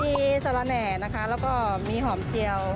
มีสาระแหน่นะคะแล้วก็มีหอมเจียว